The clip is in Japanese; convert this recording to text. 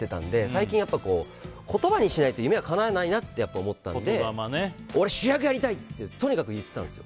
最近、言葉にしないと夢はかなわないなと思ったので俺、主役やりたいってとにかく言ってたんです。